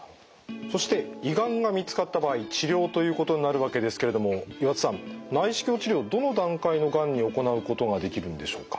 そして胃がんが見つかった場合治療ということになるわけですけれども岩田さん内視鏡治療どの段階のがんに行うことができるんでしょうか？